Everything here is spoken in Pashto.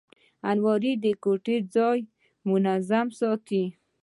الماري د کوټې ځای منظمه ساتي